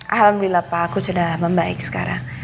alhamdulillah pak aku sudah membaik sekarang